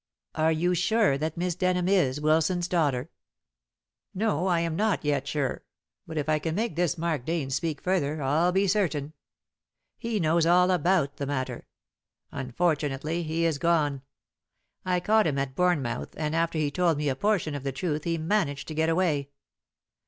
"Are you sure that Miss Denham is Wilson's daughter?" "No, I am not yet sure. But if I can make this Mark Dane speak further, I'll be certain. He knows all about the matter. Unfortunately he is gone. I caught him at Bournemouth, and after he told me a portion of the truth he managed to get away.